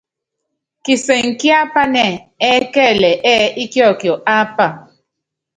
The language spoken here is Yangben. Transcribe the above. Kisɛŋɛ kíápanɛ́ ɛ́kɛlɛ ɛ́ɛ́ íkiɔkiɔ ápa.